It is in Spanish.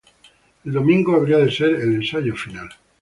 El domingo habría de ser el ensayo final.